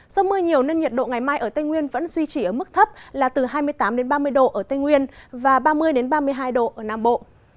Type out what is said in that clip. do mưa nhiều nên nhiệt độ ngày mai ở tây nguyên vẫn duy trì ở mức thấp là từ hai mươi tám ba mươi độ ở tây nguyên và ba mươi ba mươi hai độ ở nam bộ